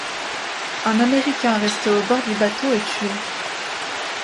Un Américain resté à bord du bateau est tué.